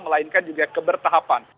melainkan juga kebertahapan